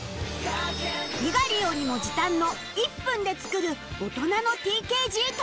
猪狩よりも時短の１分で作るオトナの ＴＫＧ とは？